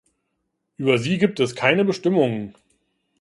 Über sie gibt es keine Bestimmungen.